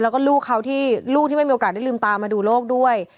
แล้วก็ลูกเขาที่ลูกที่ไม่มีโอกาสได้ลืมตามาดูโลกด้วย